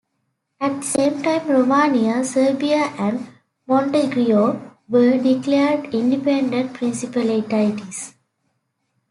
At the same time Romania, Serbia, and Montenegro were declared independent principalities.